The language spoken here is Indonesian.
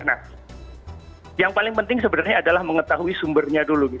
nah yang paling penting sebenarnya adalah mengetahui sumbernya dulu